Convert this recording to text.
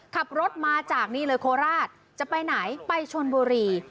ขับรถมาจากนี่เลยโคราชจะไปไหนไปชนบุรี